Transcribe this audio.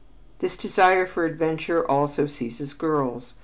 This desire for adventure also seizes girls.